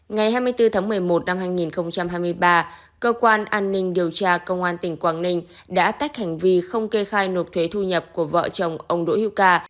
ngày hai mươi bốn tháng một mươi một năm hai nghìn hai mươi ba cơ quan an ninh điều tra công an tỉnh quảng ninh đã tách hành vi không kê khai nộp thuế thu nhập của vợ chồng ông đỗ hiễu ca